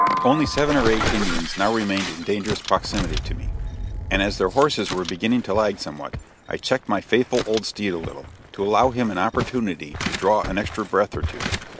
Only seven or eight Indians now remained in dangerous proximity to me, and as their horses were beginning to lag somewhat, I checked my faithful old steed a little, to allow him an opportunity to draw an extra breath or two.